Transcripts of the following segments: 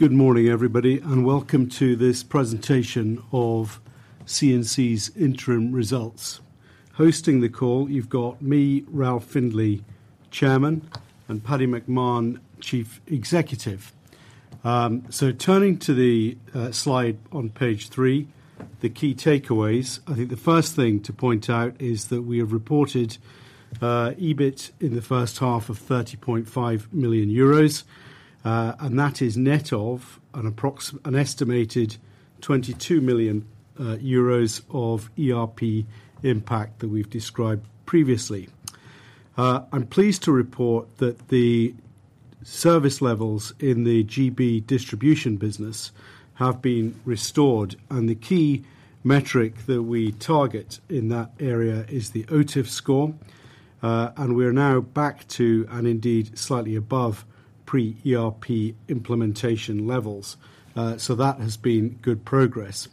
Good morning, everybody, and welcome to this presentation of C&C's interim results. Hosting the call, you've got me, Ralph Findlay, Chairman, and Paddy McMahon, Chief Executive. So turning to the slide on page three, the key takeaways. I think the first thing to point out is that we have reported EBIT in the first half of 30.5 million euros, and that is net of an estimated 22 million euros of ERP impact that we've described previously. I'm pleased to report that the service levels in the GB distribution business have been restored, and the key metric that we target in that area is the OTIF score. And we're now back to, and indeed, slightly above pre-ERP implementation levels. So that has been good progress.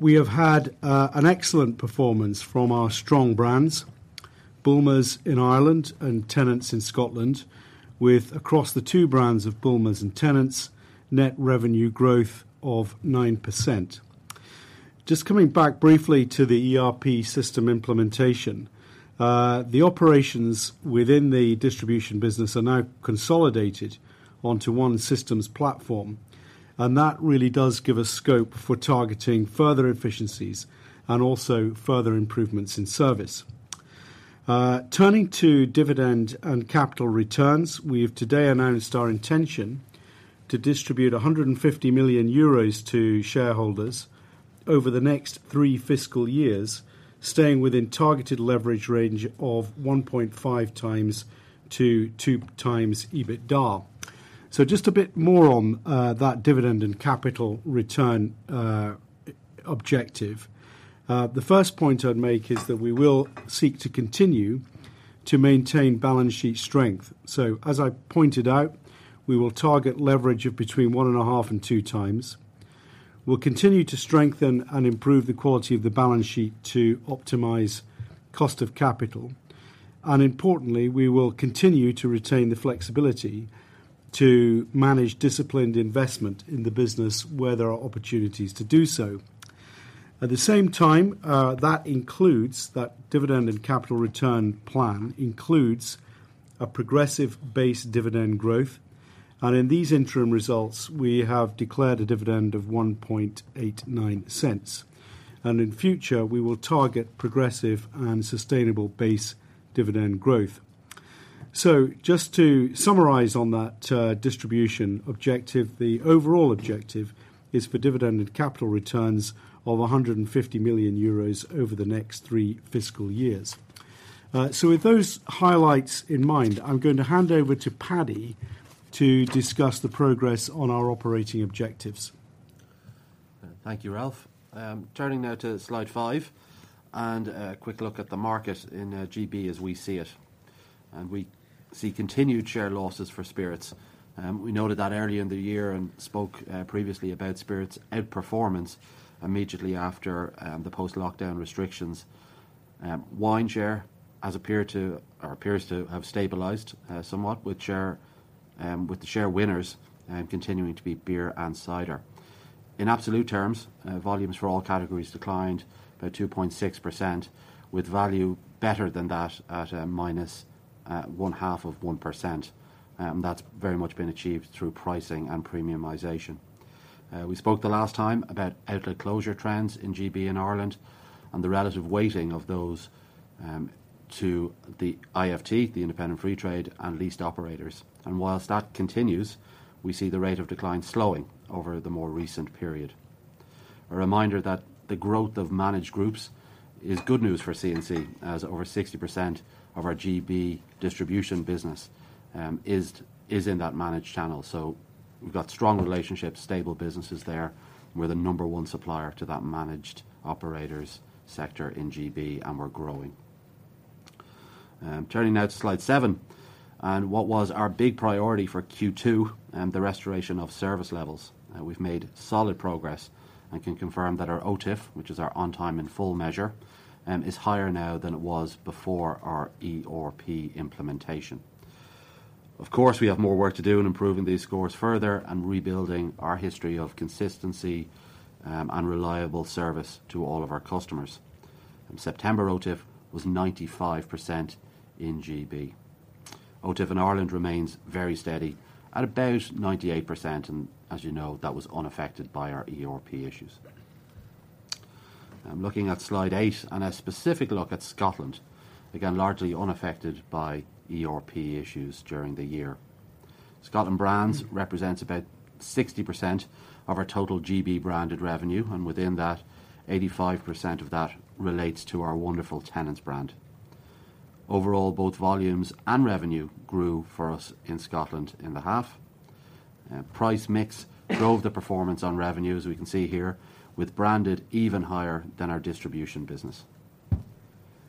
We have had an excellent performance from our strong brands, Bulmers in Ireland and Tennent's in Scotland, with across the two brands of Bulmers and Tennent's, net revenue growth of 9%. Just coming back briefly to the ERP system implementation. The operations within the distribution business are now consolidated onto one systems platform, and that really does give us scope for targeting further efficiencies and also further improvements in service. Turning to dividend and capital returns, we've today announced our intention to distribute 150 million euros to shareholders over the next three fiscal years, staying within targeted leverage range of 1.5x-2x EBITDA. So just a bit more on that dividend and capital return objective. The first point I'd make is that we will seek to continue to maintain balance sheet strength. So as I pointed out, we will target leverage of between 1.5x and 2x We'll continue to strengthen and improve the quality of the balance sheet to optimize cost of capital, and importantly, we will continue to retain the flexibility to manage disciplined investment in the business where there are opportunities to do so. At the same time, that includes, that dividend and capital return plan, includes a progressive base dividend growth. In these interim results, we have declared a dividend of 0.0189, and in future, we will target progressive and sustainable base dividend growth. So just to summarize on that, distribution objective, the overall objective is for dividend and capital returns of 150 million euros over the next three fiscal years. With those highlights in mind, I'm going to hand over to Paddy to discuss the progress on our operating objectives. Thank you, Ralph. Turning now to slide five, and a quick look at the market in GB as we see it. We see continued share losses for spirits. We noted that earlier in the year and spoke previously about spirits' outperformance immediately after the post-lockdown restrictions. Wine share has appeared to, or appears to have stabilized somewhat, with the share winners continuing to be beer and cider. In absolute terms, volumes for all categories declined by 2.6%, with value better than that at -0.5%. That's very much been achieved through pricing and premiumization. We spoke the last time about outlet closure trends in GB and Ireland, and the relative weighting of those to the IFT, the Independent Free Trade, and leased operators. While that continues, we see the rate of decline slowing over the more recent period. A reminder that the growth of managed groups is good news for C&C, as over 60% of our GB distribution business is in that managed channel. So we've got strong relationships, stable businesses there. We're the number one supplier to that managed operators sector in GB, and we're growing. Turning now to slide seven and what was our big priority for Q2, the restoration of service levels. We've made solid progress and can confirm that our OTIF, which is our on time in full measure, is higher now than it was before our ERP implementation. Of course, we have more work to do in improving these scores further and rebuilding our history of consistency and reliable service to all of our customers. In September, OTIF was 95% in GB. OTIF in Ireland remains very steady at about 98%, and as you know, that was unaffected by our ERP issues. Looking at slide 8, and a specific look at Scotland, again, largely unaffected by ERP issues during the year. Scotland brands represents about 60% of our total GB branded revenue, and within that, 85% of that relates to our wonderful Tennent's brand. Overall, both volumes and revenue grew for us in Scotland in the half. Price mix drove the performance on revenue, as we can see here, with branded even higher than our distribution business.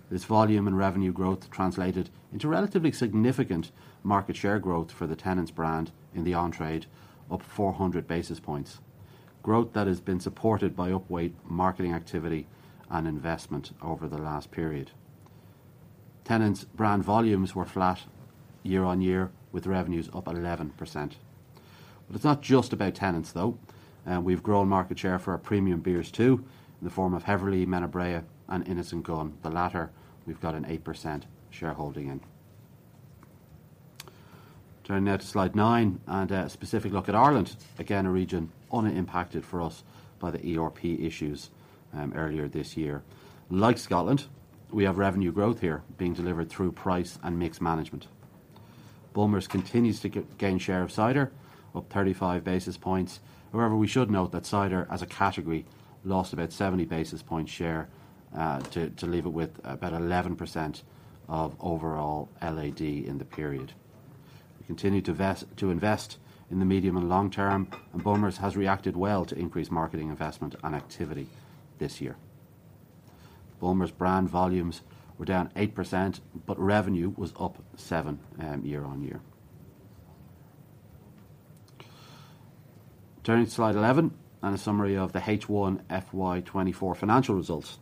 This volume and revenue growth translated into relatively significant market share growth for the Tennent's brand in the on-trade, up 400 basis points. Growth that has been supported by upweight marketing activity and investment over the last period. Tennent's brand volumes were flat year on year, with revenues up 11%. But it's not just about Tennent's, though. We've grown market share for our premium beers, too, in the form of Heverlee, Menabrea, and Innis & Gunn. The latter, we've got an 8% shareholding in. Turning now to slide nine, and a specific look at Ireland. Again, a region unimpacted for us by the ERP issues earlier this year. Like Scotland, we have revenue growth here being delivered through price and mix management. Bulmers continues to gain share of cider, up 35 basis points. However, we should note that cider, as a category, lost about 70 basis points share to leave it with about 11% of overall LAD in the period. We continue to invest in the medium and long term, and Bulmers has reacted well to increased marketing investment and activity this year. Bulmers brand volumes were down 8%, but revenue was up 7% year-on-year. Turning to slide 11, a summary of the H1 FY 2024 financial results.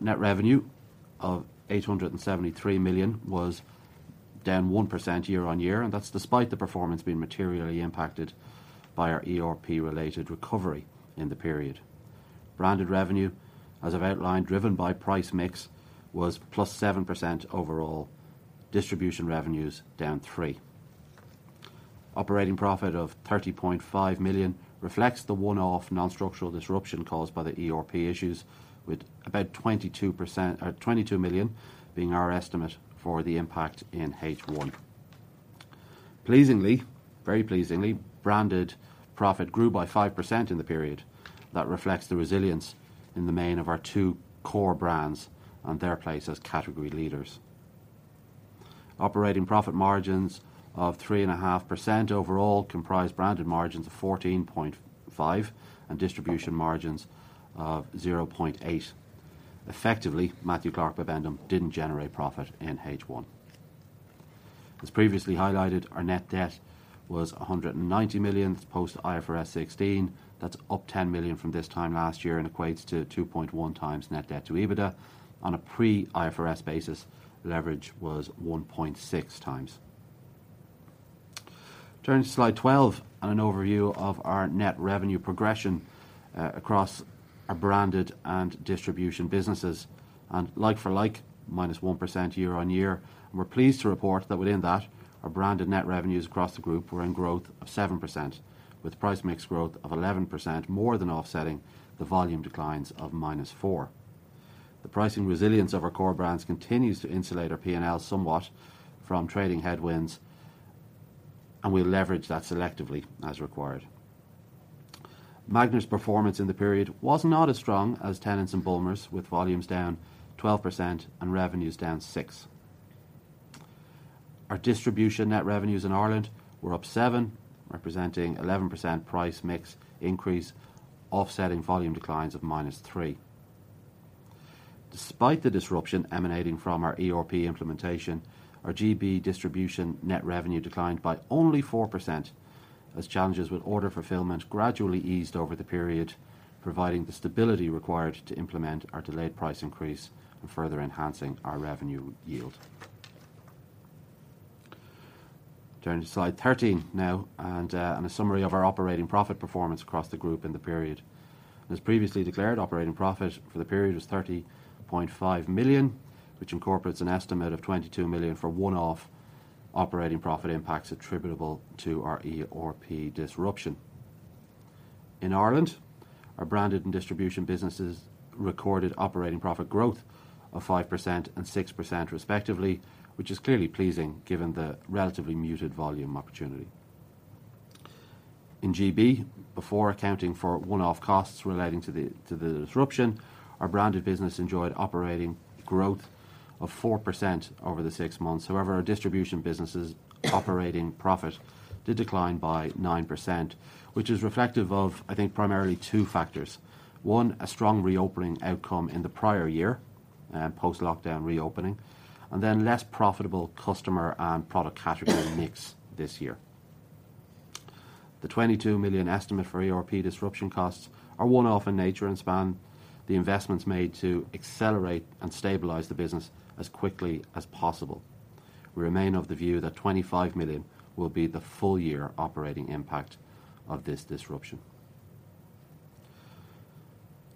Net revenue of 873 million was down 1% year-on-year, and that's despite the performance being materially impacted by our ERP-related recovery in the period. Branded revenue, as I've outlined, driven by price mix, was +7% overall. Distribution revenues, down 3%. Operating profit of 30.5 million reflects the one-off non-structural disruption caused by the ERP issues, with about 22 million being our estimate for the impact in H1. Pleasingly, very pleasingly, branded profit grew by 5% in the period. That reflects the resilience in the main of our two core brands and their place as category leaders. Operating profit margins of 3.5% overall comprised branded margins of 14.5% and distribution margins of 0.8%. Effectively, Matthew Clark Bibendum didn't generate profit in H1. As previously highlighted, our net debt was 190 million post IFRS 16. That's up 10 million from this time last year and equates to 2.1x net debt to EBITDA. On a pre-IFRS basis, leverage was 1.6x. Turning to slide 12, and an overview of our net revenue progression, across our branded and distribution businesses. Like-for-like -1% year-on-year, we're pleased to report that within that, our branded net revenues across the group were in growth of 7%, with price mix growth of 11%, more than offsetting the volume declines of -4%. The pricing resilience of our core brands continues to insulate our P&L somewhat from trading headwinds, and we leverage that selectively as required. Magners performance in the period was not as strong as Tennent's and Bulmers, with volumes down 12% and revenues down 6%. Our distribution net revenues in Ireland were up 7%, representing 11% price mix increase, offsetting volume declines of -3%. Despite the disruption emanating from our ERP implementation, our GB distribution net revenue declined by only 4%, as challenges with order fulfillment gradually eased over the period, providing the stability required to implement our delayed price increase and further enhancing our revenue yield. Turning to slide 13 now, and a summary of our operating profit performance across the group in the period. As previously declared, operating profit for the period was 30.5 million, which incorporates an estimate of 22 million for one-off operating profit impacts attributable to our ERP disruption. In Ireland, our branded and distribution businesses recorded operating profit growth of 5% and 6% respectively, which is clearly pleasing given the relatively muted volume opportunity. In GB, before accounting for one-off costs relating to the disruption, our branded business enjoyed operating growth of 4% over the six months. However, our distribution businesses' operating profit did decline by 9%, which is reflective of, I think, primarily two factors. One, a strong reopening outcome in the prior year, post-lockdown reopening, and then less profitable customer and product category mix this year. The 22 million estimate for ERP disruption costs are one-off in nature and span the investments made to accelerate and stabilize the business as quickly as possible. We remain of the view that 25 million will be the full year operating impact of this disruption.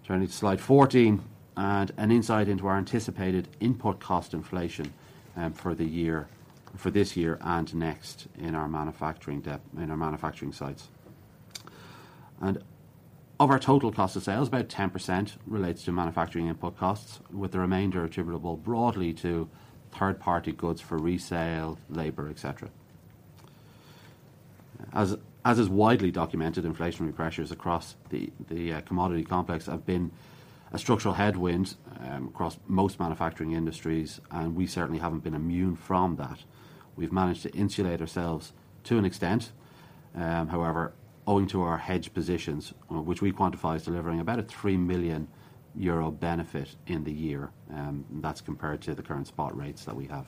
Turning to slide 14, and an insight into our anticipated input cost inflation, for the year, for this year and next in our manufacturing sites. Of our total cost of sales, about 10% relates to manufacturing input costs, with the remainder attributable broadly to third-party goods for resale, labor, et cetera. As is widely documented, inflationary pressures across the commodity complex have been a structural headwind across most manufacturing industries, and we certainly haven't been immune from that. We've managed to insulate ourselves to an extent, however, owing to our hedge positions, which we quantify as delivering about a 3 million euro benefit in the year, that's compared to the current spot rates that we have.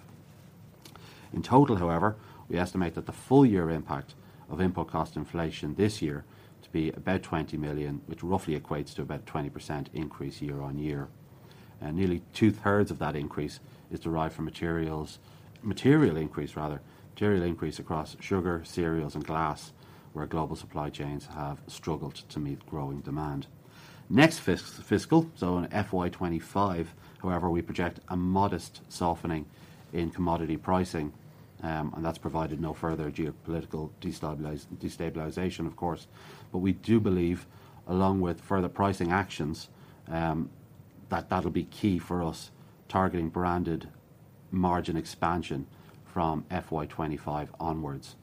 In total, however, we estimate that the full year impact of input cost inflation this year to be about 20 million, which roughly equates to about a 20% increase year-on-year. And nearly two-thirds of that increase is derived from materials, material increase rather, material increase across sugar, cereals, and glass, where global supply chains have struggled to meet growing demand. Next fiscal, so in FY 25, however, we project a modest softening in commodity pricing, and that's provided no further geopolitical destabilization, of course. But we do believe, along with further pricing actions, that that'll be key for us targeting branded margin expansion from FY 25 onwards.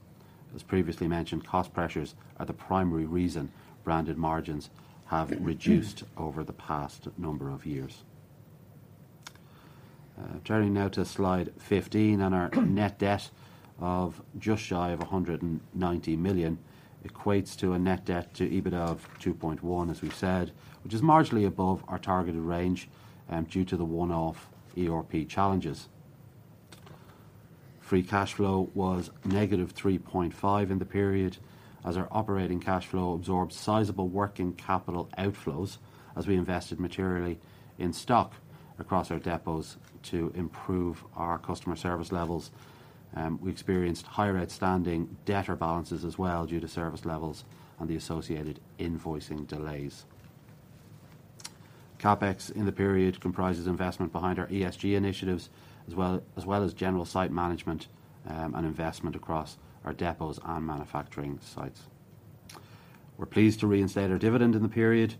As previously mentioned, cost pressures are the primary reason branded margins have reduced over the past number of years. Turning now to Slide 15, and our net debt of just shy of 190 million equates to a net debt to EBIT of 2.1, as we've said, which is marginally above our targeted range, due to the one-off ERP challenges. Free cash flow was -3.5 million in the period, as our operating cash flow absorbed sizable working capital outflows as we invested materially in stock across our depots to improve our customer service levels. We experienced higher outstanding debtor balances as well due to service levels and the associated invoicing delays. CapEx in the period comprises investment behind our ESG initiatives, as well as general site management, and investment across our depots and manufacturing sites. We're pleased to reinstate our dividend in the period,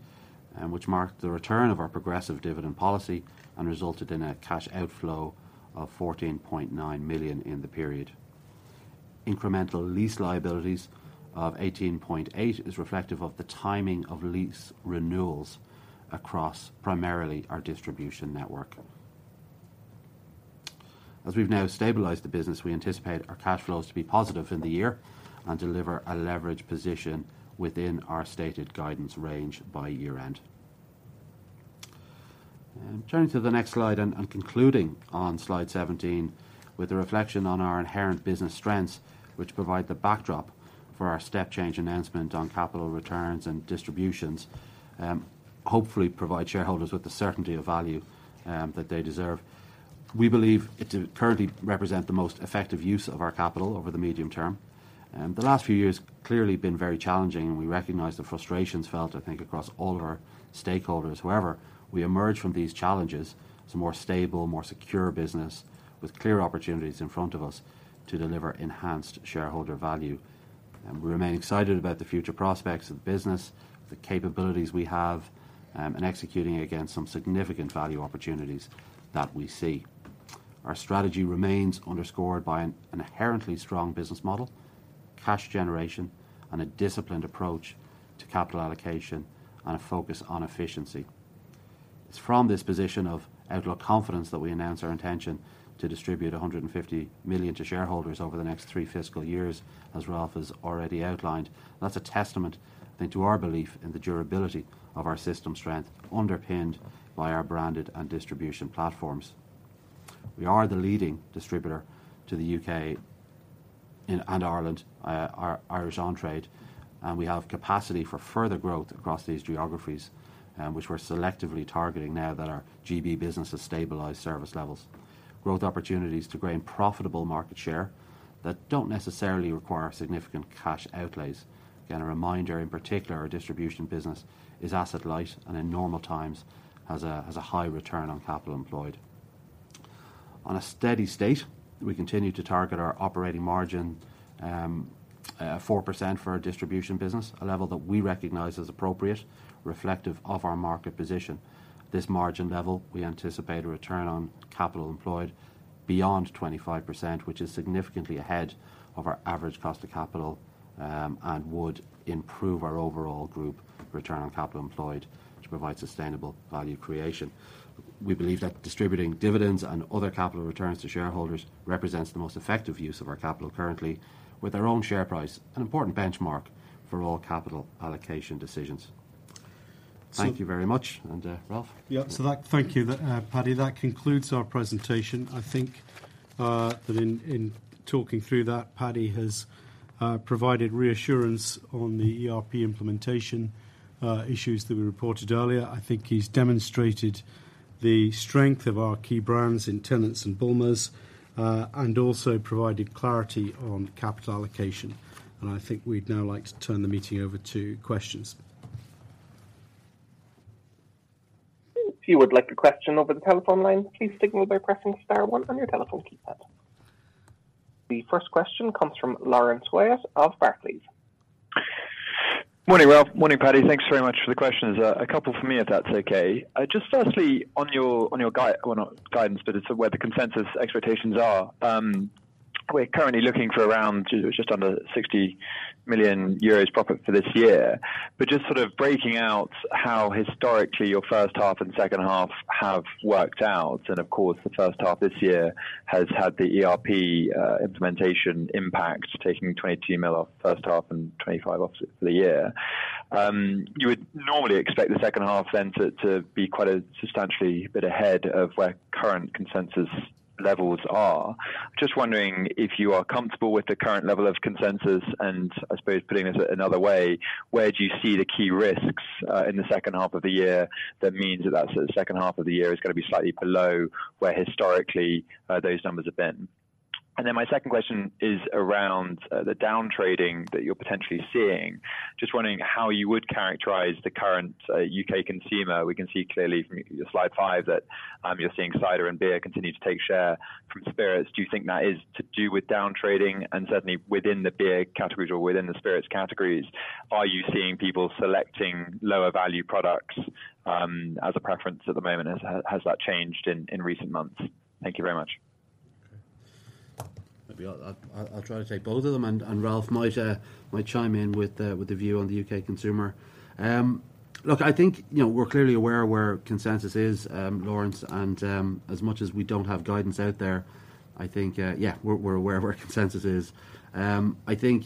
which marked the return of our progressive dividend policy and resulted in a cash outflow of 14.9 million in the period. Incremental lease liabilities of 18.8 million is reflective of the timing of lease renewals across primarily our distribution network. As we've now stabilized the business, we anticipate our cash flows to be positive in the year and deliver a leverage position within our stated guidance range by year-end. Turning to the next slide, and concluding on Slide 17, with a reflection on our inherent business strengths, which provide the backdrop for our step change announcement on capital returns and distributions, hopefully provide shareholders with the certainty of value that they deserve. We believe it to currently represent the most effective use of our capital over the medium term. The last few years clearly been very challenging, and we recognize the frustrations felt, I think, across all of our stakeholders. However, we emerge from these challenges as a more stable, more secure business with clear opportunities in front of us to deliver enhanced shareholder value. We remain excited about the future prospects of the business, the capabilities we have in executing against some significant value opportunities that we see. Our strategy remains underscored by an inherently strong business model, cash generation, and a disciplined approach to capital allocation and a focus on efficiency. It's from this position of outlook confidence that we announce our intention to distribute 150 million to shareholders over the next three fiscal years, as Ralph has already outlined. That's a testament, I think, to our belief in the durability of our system strength, underpinned by our branded and distribution platforms. We are the leading distributor to the U.K. and Ireland, our Irish on-trade, and we have capacity for further growth across these geographies, which we're selectively targeting now that our GB business has stabilized service levels. Growth opportunities to gain profitable market share that don't necessarily require significant cash outlays. Again, a reminder, in particular, our distribution business is asset light and in normal times has a high return on capital employed. On a steady state, we continue to target our operating margin 4% for our distribution business, a level that we recognize as appropriate, reflective of our market position. This margin level, we anticipate a return on capital employed beyond 25%, which is significantly ahead of our average cost of capital, and would improve our overall group return on capital employed to provide sustainable value creation. We believe that distributing dividends and other capital returns to shareholders represents the most effective use of our capital currently, with our own share price an important benchmark for all capital allocation decisions. Thank you very much. And, Ralph? Yeah. So, thank you, Paddy. That concludes our presentation. I think that in talking through that, Paddy has provided reassurance on the ERP implementation issues that we reported earlier. I think he's demonstrated the strength of our key brands in Tennent's and Bulmers, and also provided clarity on capital allocation, and I think we'd now like to turn the meeting over to questions. If you would like a question over the telephone line, please signal by pressing star one on your telephone keypad. The first question comes from Laurence Whyatt of Barclays. Morning, Ralph. Morning, Paddy. Thanks very much for the questions. A couple from me, if that's okay. Just firstly, on your guidance - well, not guidance, but it's where the consensus expectations are. We're currently looking for around just under 60 million euros profit for this year. But just sort of breaking out how historically your first half and second half have worked out, and of course, the first half this year has had the ERP implementation impact, taking 22 million off first half and 25 million off for the year?... You would normally expect the second half then to be quite a substantially bit ahead of where current consensus levels are. Just wondering if you are comfortable with the current level of consensus, and I suppose putting this another way, where do you see the key risks in the second half of the year? That means that the second half of the year is going to be slightly below where historically those numbers have been. And then my second question is around the down trading that you're potentially seeing. Just wondering how you would characterize the current U.K. consumer? We can see clearly from slide five that you're seeing cider and beer continue to take share from spirits. Do you think that is to do with down trading? Certainly within the beer categories or within the spirits categories, are you seeing people selecting lower value products as a preference at the moment? Has that changed in recent months? Thank you very much. Maybe I'll try to take both of them, and Ralph might chime in with a view on the U.K. consumer. Look, I think, you know, we're clearly aware of where consensus is, Laurence, and as much as we don't have guidance out there, I think, yeah, we're aware of where consensus is. I think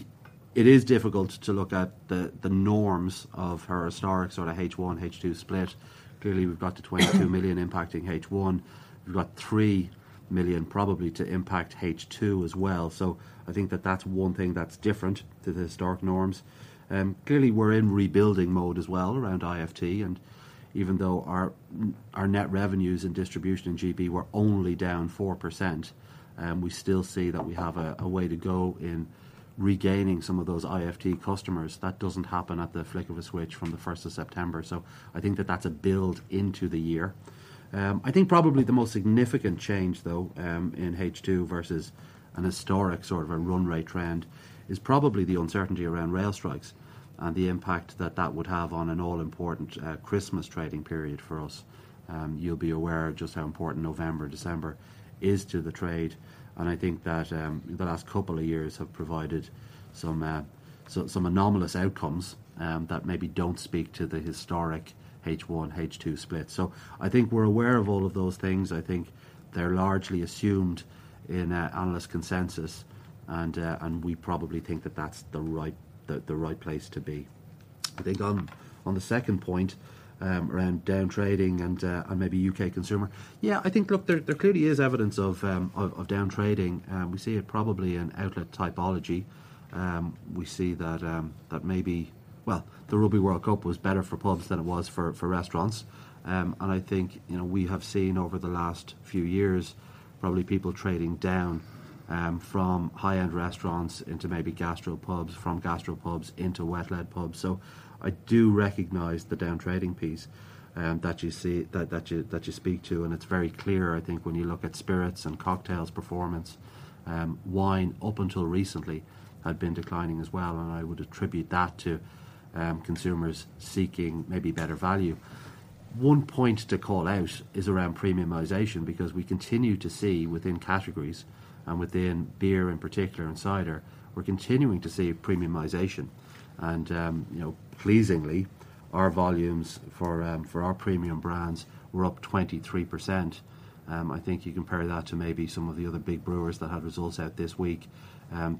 it is difficult to look at the norms of our historic sort of H1, H2 split. Clearly, we've got the 22 million impacting H1. We've got 3 million probably to impact H2 as well. So I think that's one thing that's different to the historic norms. Clearly we're in rebuilding mode as well around IFT, and even though our net revenues and distribution in GB were only down 4%, we still see that we have a way to go in regaining some of those IFT customers. That doesn't happen at the flick of a switch from the September 1st, so I think that's a build into the year. I think probably the most significant change, though, in H2 versus an historic sort of a run rate trend, is probably the uncertainty around rail strikes and the impact that would have on an all-important Christmas trading period for us. You'll be aware of just how important November, December is to the trade, and I think that the last couple of years have provided some anomalous outcomes that maybe don't speak to the historic H1, H2 split. So I think we're aware of all of those things. I think they're largely assumed in an analyst consensus, and we probably think that that's the right place to be. I think on the second point, around down trading and maybe U.K. consumer, yeah, I think, look, there clearly is evidence of down trading. We see it probably in outlet typology. We see that maybe... Well, the Rugby World Cup was better for pubs than it was for restaurants. I think, you know, we have seen over the last few years, probably people trading down from high-end restaurants into maybe gastro pubs, from gastro pubs into wet-led pubs. So I do recognize the down trading piece that you see, that you speak to, and it's very clear, I think, when you look at spirits and cocktails performance. Wine, up until recently, had been declining as well, and I would attribute that to consumers seeking maybe better value. One point to call out is around premiumization, because we continue to see within categories and within beer in particular and cider, we're continuing to see premiumization. And, you know, pleasingly, our volumes for our premium brands were up 23%. I think you compare that to maybe some of the other big brewers that had results out this week,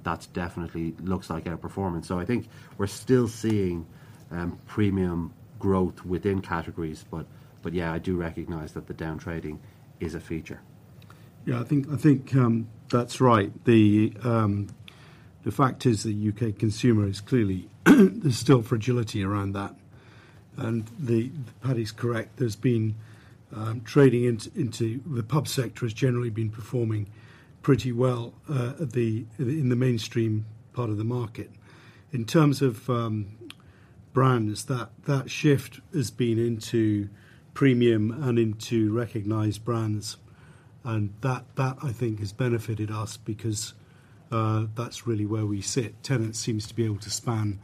that's definitely looks like our performance. So I think we're still seeing premium growth within categories, but, but yeah, I do recognize that the down trading is a feature. Yeah, I think that's right. The fact is, the U.K. consumer is clearly—there's still fragility around that, and Paddy is correct. There's been trading into the pub sector has generally been performing pretty well in the mainstream part of the market. In terms of brands, that shift has been into premium and into recognized brands, and that I think has benefited us because that's really where we sit. Tennent's seems to be able to span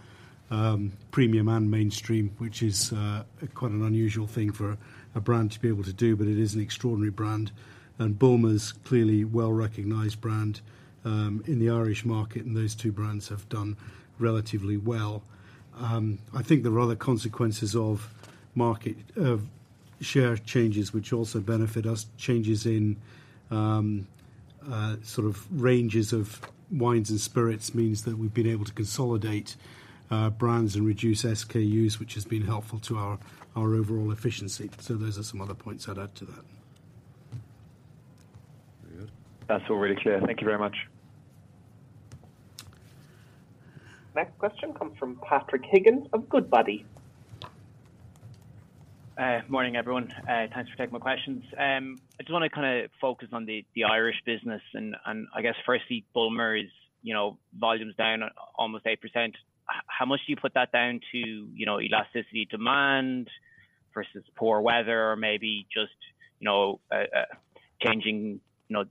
premium and mainstream, which is quite an unusual thing for a brand to be able to do, but it is an extraordinary brand. And Bulmers, clearly a well-recognized brand in the Irish market, and those two brands have done relatively well. I think there are other consequences of market, of share changes which also benefit us. Changes in sort of ranges of wines and spirits means that we've been able to consolidate brands and reduce SKUs, which has been helpful to our, our overall efficiency. So those are some other points I'd add to that. Very good. That's all really clear. Thank you very much. Next question comes from Patrick Higgins of Goodbody. Morning, everyone. Thanks for taking my questions. I just want to kind of focus on the Irish business and I guess firstly, Bulmers, you know, volumes down almost 8%. How much do you put that down to, you know, elasticity, demand versus poor weather or maybe just, you know, changing, you know,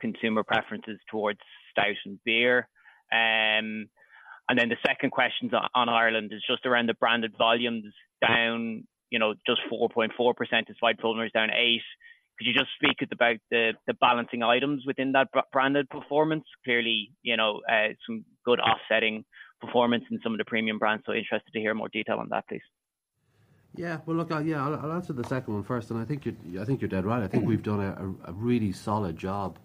consumer preferences towards stout and beer? And then the second question on Ireland is just around the branded volumes down, you know, just 4.4%, despite Bulmers down 8%. Could you just speak about the balancing items within that branded performance? Clearly, you know, some good offsetting performance in some of the premium brands, so interested to hear more detail on that, please.... Yeah, well, look, yeah, I'll answer the second one first, and I think you're dead right. I think we've done a really solid job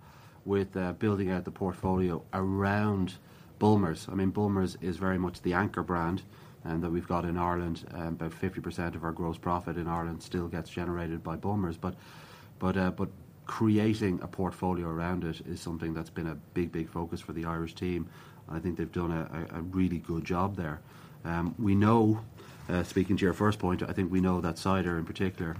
with building out the portfolio around Bulmers. I mean, Bulmers is very much the anchor brand, and that we've got in Ireland. About 50% of our gross profit in Ireland still gets generated by Bulmers, but creating a portfolio around it is something that's been a big focus for the Irish team. I think they've done a really good job there. We know, speaking to your first point, I think we know that cider, in particular,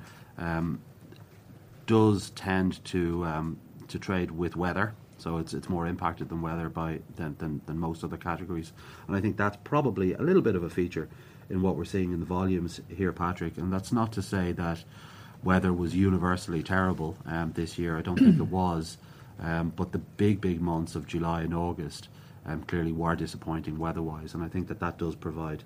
does tend to trade with weather, so it's more impacted by weather than most other categories. I think that's probably a little bit of a feature in what we're seeing in the volumes here, Patrick. That's not to say that weather was universally terrible this year. I don't think it was. But the big, big months of July and August clearly were disappointing weather-wise, and I think that that does provide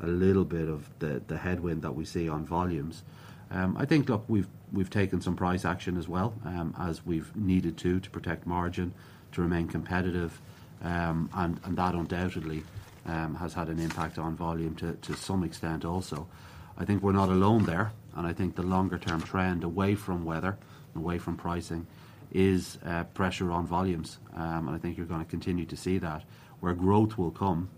a little bit of the headwind that we see on volumes. I think, look, we've taken some price action as well, as we've needed to protect margin, to remain competitive. And that undoubtedly has had an impact on volume to some extent also. I think we're not alone there, and I think the longer term trend away from weather and away from pricing is pressure on volumes. And I think you're gonna continue to see that. Where growth will come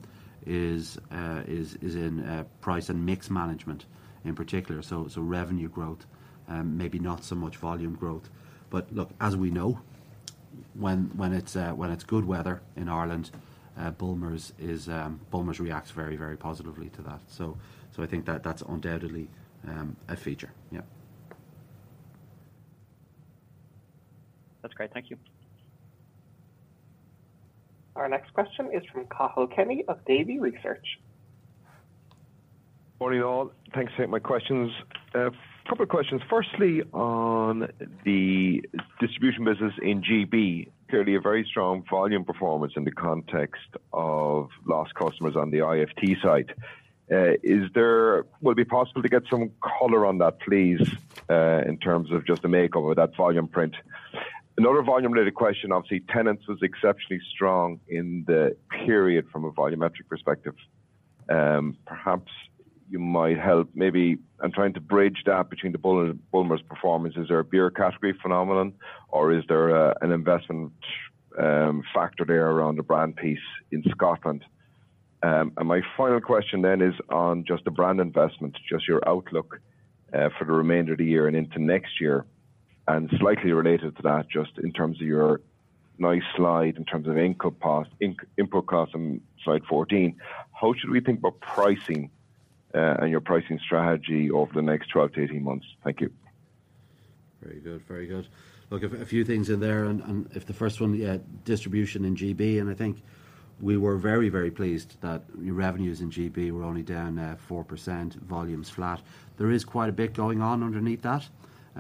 is in price and mix management in particular. So revenue growth, maybe not so much volume growth. But look, as we know, when it's good weather in Ireland, Bulmers reacts very, very positively to that. So I think that's undoubtedly a feature. Yeah. That's great. Thank you. Our next question is from Cathal Kenny of Davy Research. Morning, all. Thanks for taking my questions. Couple of questions. Firstly, on the distribution business in GB. Clearly, a very strong volume performance in the context of lost customers on the IFT site. Is there... Will it be possible to get some color on that, please, in terms of just the makeup of that volume print? Another volume-related question, obviously, Tennent's was exceptionally strong in the period from a volumetric perspective. Perhaps you might help. Maybe I'm trying to bridge that between the Bulmers performance. Is there a beer category phenomenon, or is there an investment factor there around the brand piece in Scotland? And my final question then is on just the brand investment, just your outlook for the remainder of the year and into next year. Slightly related to that, just in terms of your nice slide, in terms of input cost on slide 14, how should we think about pricing and your pricing strategy over the next 12-18 months? Thank you. Very good. Very good. Look, a few things in there, and if the first one, yeah, distribution in GB, and I think we were very, very pleased that revenues in GB were only down 4%, volumes flat. There is quite a bit going on underneath that.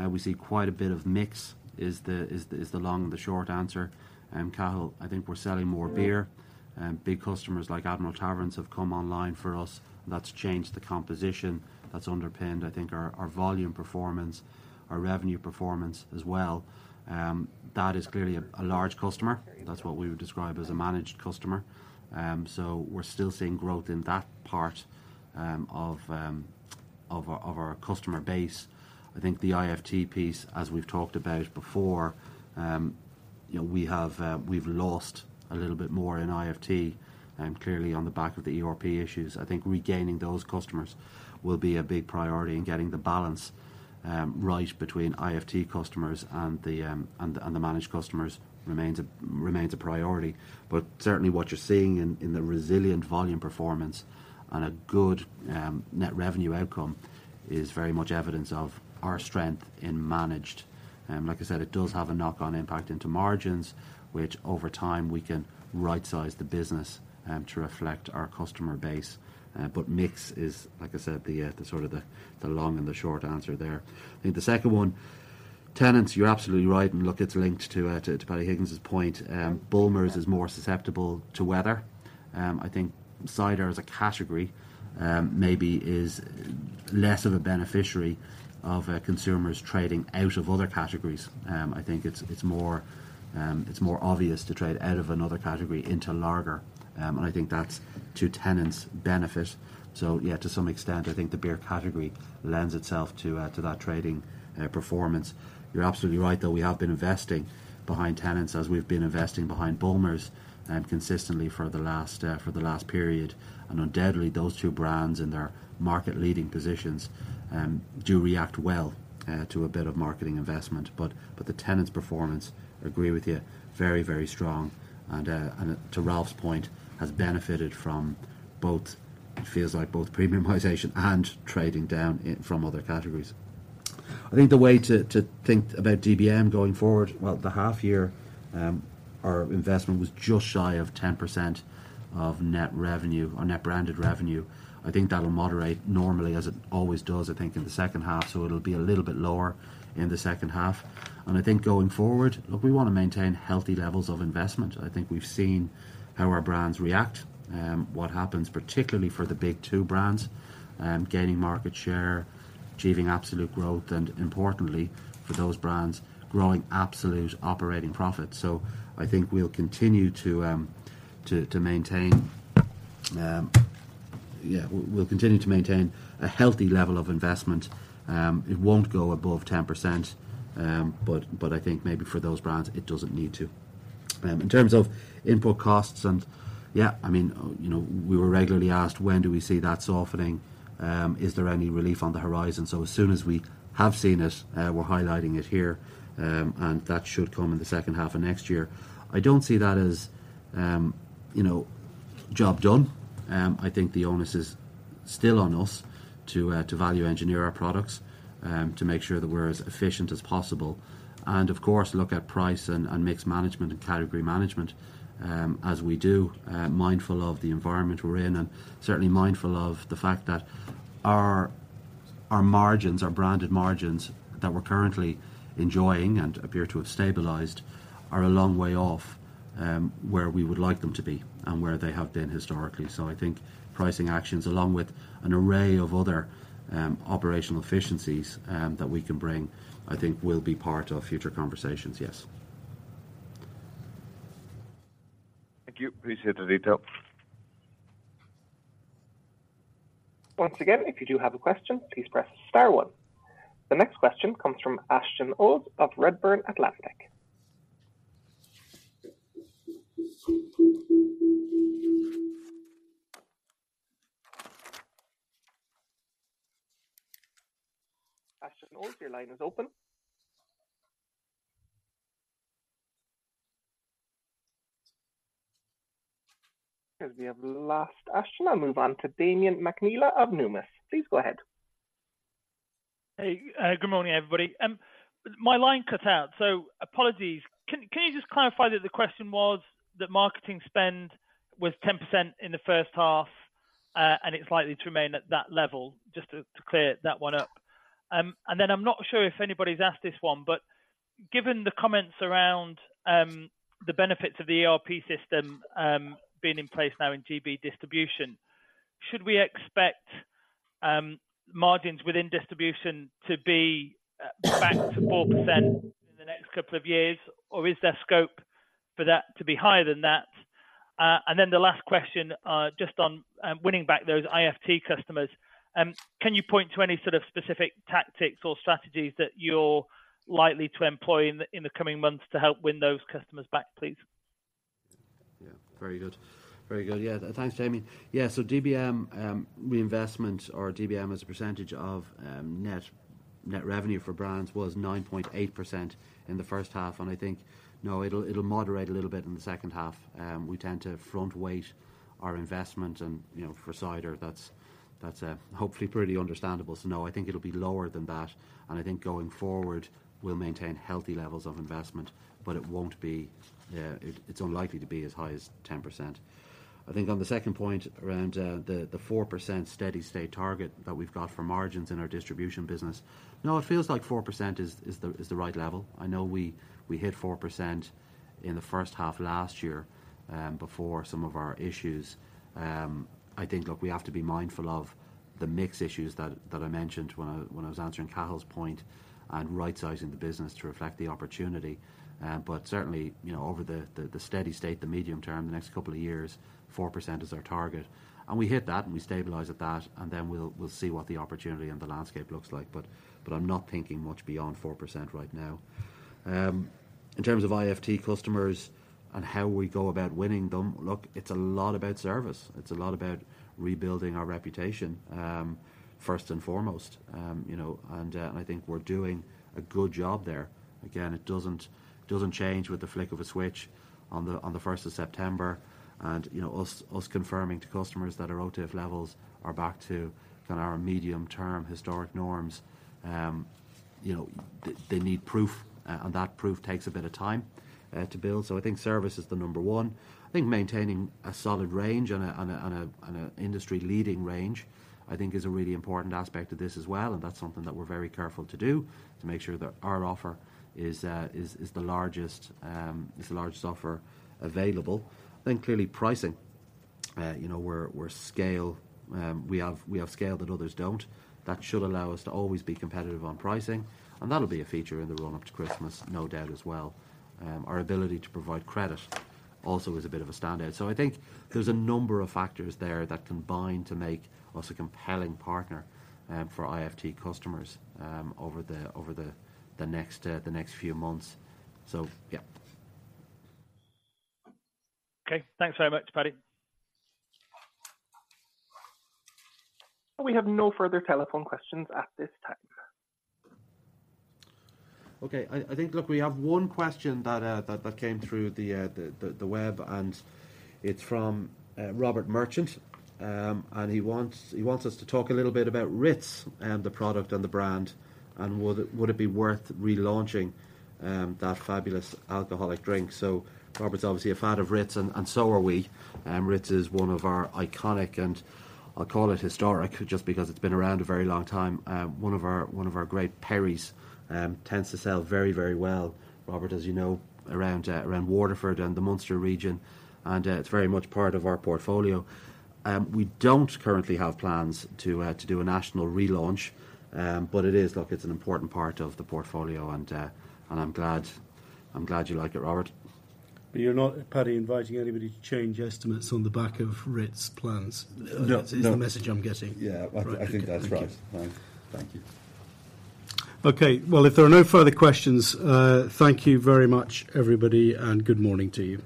We see quite a bit of mix is the long and the short answer. Cathal, I think we're selling more beer, and big customers like Admiral Taverns have come online for us. That's changed the composition, that's underpinned, I think, our volume performance, our revenue performance as well. That is clearly a large customer. That's what we would describe as a managed customer. So we're still seeing growth in that part of our customer base. I think the IFT piece, as we've talked about before, you know, we have, we've lost a little bit more in IFT, clearly on the back of the ERP issues. I think regaining those customers will be a big priority in getting the balance right between IFT customers and the managed customers remains a priority. But certainly, what you're seeing in the resilient volume performance and a good net revenue outcome is very much evidence of our strength in managed. Like I said, it does have a knock-on impact into margins, which over time we can rightsize the business to reflect our customer base. But mix is, like I said, the sort of the long and the short answer there. I think the second one, Tennent's, you're absolutely right, and look, it's linked to to Paddy Higgins' point. Bulmers is more susceptible to weather. I think cider as a category, maybe is less of a beneficiary of, consumers trading out of other categories. I think it's, it's more, it's more obvious to trade out of another category into lager, and I think that's to Tennent's benefit. So yeah, to some extent, I think the beer category lends itself to that trading, performance. You're absolutely right, though. We have been investing behind Tennent's as we've been investing behind Bulmers, consistently for the last, for the last period. And undoubtedly, those two brands and their market-leading positions, do react well, to a bit of marketing investment. But the Tennent's performance, I agree with you, very, very strong, and to Ralph's point, has benefited from both, it feels like both premiumization and trading down from other categories. I think the way to think about DBM going forward... Well, the half year, our investment was just shy of 10% of net revenue or net branded revenue. I think that will moderate normally, as it always does, I think, in the second half, so it'll be a little bit lower in the second half. And I think going forward, look, we want to maintain healthy levels of investment. I think we've seen how our brands react, what happens particularly for the big two brands, gaining market share, achieving absolute growth, and importantly, for those brands, growing absolute operating profit. So I think we'll continue to maintain... Yeah, we'll continue to maintain a healthy level of investment. It won't go above 10%, but I think maybe for those brands, it doesn't need to. In terms of input costs and, yeah, I mean, you know, we were regularly asked, when do we see that softening? Is there any relief on the horizon? So as soon as we have seen it, we're highlighting it here, and that should come in the second half of next year. I don't see that as, you know, job done. I think the onus is still on us to value engineer our products to make sure that we're as efficient as possible, and of course, look at price and mixed management and category management, as we do, mindful of the environment we're in, and certainly mindful of the fact that our margins, our branded margins that we're currently enjoying and appear to have stabilized, are a long way off where we would like them to be and where they have been historically. So I think pricing actions, along with an array of other operational efficiencies that we can bring, I think will be part of future conversations. Yes. Thank you. Appreciate the detail. Once again, if you do have a question, please press Star one. The next question comes from Ashton Olds of Redburn Atlantic. Ashton Olds, your line is open. Because we have lost Ashton, I'll move on to Damian McNeela of Numis. Please go ahead. Hey, good morning, everybody. My line cut out, so apologies. Can you just clarify that the question was that marketing spend was 10% in the first half, and it's likely to remain at that level? Just to clear that one up. And then I'm not sure if anybody's asked this one, but given the comments around the benefits of the ERP system being in place now in GB distribution, should we expect margins within distribution to be back to 4% in the next couple of years, or is there scope for that to be higher than that? And then the last question, just on winning back those IFT customers. Can you point to any sort of specific tactics or strategies that you're likely to employ in the coming months to help win those customers back, please? Yeah, very good. Very good. Yeah, thanks, Damian. Yeah, so DBM, reinvestment or DBM as a percentage of, net, net revenue for brands was 9.8% in the first half, and I think... No, it'll, it'll moderate a little bit in the second half. We tend to front weight our investment and, you know, for cider, that's, that's, hopefully pretty understandable. So no, I think it'll be lower than that, and I think going forward, we'll maintain healthy levels of investment, but it won't be, it's unlikely to be as high as 10%. I think on the second point around, the, the 4% steady state target that we've got for margins in our distribution business, no, it feels like 4% is, is the, is the right level. I know we hit 4% in the first half last year before some of our issues. I think, look, we have to be mindful of the mix issues that I mentioned when I was answering Cathal's point on right-sizing the business to reflect the opportunity. But certainly, you know, over the steady state, the medium term, the next couple of years, 4% is our target. And we hit that, and we stabilize at that, and then we'll see what the opportunity and the landscape looks like. But I'm not thinking much beyond 4% right now. In terms of IFT customers and how we go about winning them, look, it's a lot about service. It's a lot about rebuilding our reputation first and foremost. You know, and I think we're doing a good job there. Again, it doesn't, it doesn't change with the flick of a switch on the September 1st, and you know, us confirming to customers that our OTIF levels are back to kind of our medium-term historic norms. You know, they need proof, and that proof takes a bit of time to build. So I think service is the number one. I think maintaining a solid range on an industry-leading range, I think is a really important aspect of this as well, and that's something that we're very careful to do to make sure that our offer is the largest offer available. Then clearly, pricing. You know, we're scale... We have scale that others don't. That should allow us to always be competitive on pricing, and that'll be a feature in the run-up to Christmas, no doubt as well. Our ability to provide credit also is a bit of a standout. So I think there's a number of factors there that combine to make us a compelling partner for IFT customers over the next few months. So, yeah. Okay. Thanks very much, Paddy. We have no further telephone questions at this time. Okay, I think, look, we have one question that came through the web, and it's from Robert Merchant. And he wants us to talk a little bit about Ritz, the product and the brand, and would it be worth relaunching that fabulous alcoholic drink? So Robert's obviously a fan of Ritz, and so are we. Ritz is one of our iconic, and I'll call it historic, just because it's been around a very long time, one of our great perries. Tends to sell very, very well, Robert, as you know, around Waterford and the Munster region, and it's very much part of our portfolio. We don't currently have plans to do a national relaunch, but it is... Look, it's an important part of the portfolio, and, and I'm glad, I'm glad you like it, Robert. But you're not, Paddy, inviting anybody to change estimates on the back of Ritz plans? No, no. - is the message I'm getting? Yeah, I think that's right. Thank you. Thank you. Okay, well, if there are no further questions, thank you very much, everybody, and good morning to you.